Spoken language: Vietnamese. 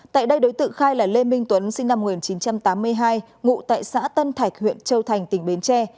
tại đây đối tượng khai là lê minh tuấn sinh năm một nghìn chín trăm tám mươi hai ngụ tại xã tân thạch huyện châu thành tỉnh bến tre